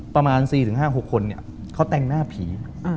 ประมาณ๔๕๖คนเขาแต่งหน้าผี